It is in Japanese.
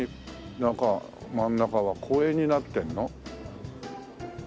中真ん中は公園になってるの？